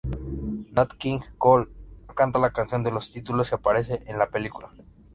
Nat King Cole canta la canción de los títulos y aparece en la película.